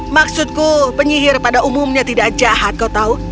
maksudku penyihir pada umumnya tidak jahat kau tahu